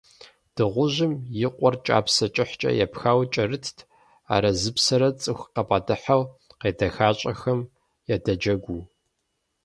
Дыгъужьым и къуэр кӀапсэ кӀыхькӀэ епхауэ кӀэрытт, арэзыпсрэ цӀыху къыбгъэдыхьэу къедэхащӀэхэм ядэджэгуу.